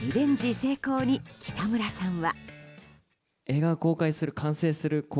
成功に北村さんは。